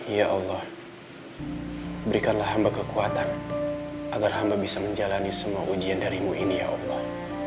ya allah berikanlah hamba kekuatan agar hamba bisa menjalani semua ujian darimu ini ya allah